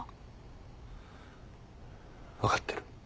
分かってる。